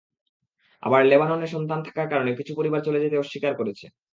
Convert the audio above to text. আবার লেবাননে সন্তান থাকার কারণে কিছু পরিবার চলে যেতে অস্বীকার করেছে।